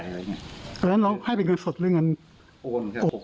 แล้วเราให้เป็นเงินสดหรือเงินโอนครับ